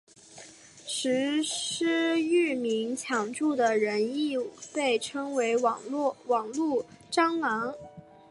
实施域名抢注的人亦被称为网路蟑螂。